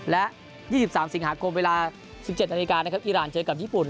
และยี่สิบสามสิบห้าคมเวลาสิบเจ็ดนาฬิกานะครับอีรานเจอกับญี่ปุ่น